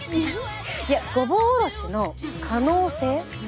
いやごぼおろしの可能性。